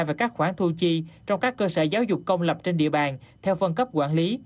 và các khoản thu chi trong các cơ sở giáo dục công lập trên địa bàn theo phân cấp quản lý